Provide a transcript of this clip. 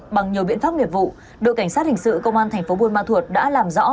bằng nhiều biện pháp nghiệp vụ đội cảnh sát hình sự công an tp bun ma thuột đã làm rõ